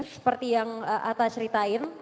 seperti yang atta ceritain